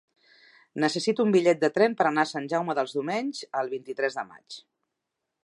Necessito un bitllet de tren per anar a Sant Jaume dels Domenys el vint-i-tres de maig.